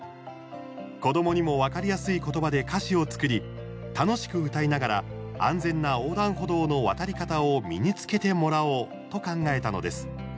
子どもにも分かりやすいことばで歌詞を作り、楽しく歌いながら安全な横断歩道の渡り方を身につけてもらおうと考えたのです。